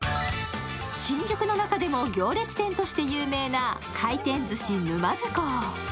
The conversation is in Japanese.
新宿の中でも行列店として有名な回転寿司沼津港。